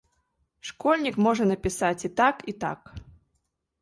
Школьнік можа напісаць і так, і так.